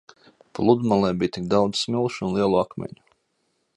Pludmalē bija tik daudz smilšu un lielo akmeņu.